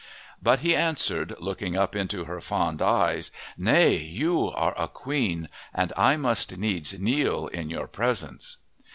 But he answered, looking up into her fond eyes, "Nay, you are a queen, and I must needs kneel in your presence."